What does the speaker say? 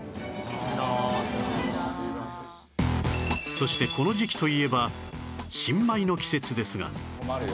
そしてこの時期といえば新米の季節ですが